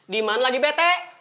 dimana lagi bete